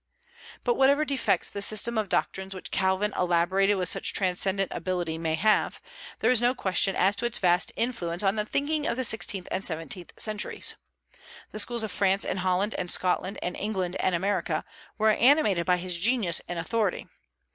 But whatever defects the system of doctrines which Calvin elaborated with such transcendent ability may have, there is no question as to its vast influence on the thinking of the sixteenth and seventeenth centuries. The schools of France and Holland and Scotland and England and America were animated by his genius and authority.